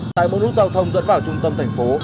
tại mỗi lúc giao thông dẫn vào trung tâm thành phố